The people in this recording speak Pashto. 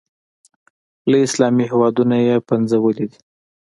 له اسلامي هېوادونو یې پنځولي دي.